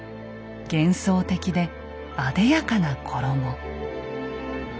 幻想的であでやかな衣。